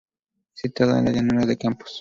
Situado en la llanura de Campos.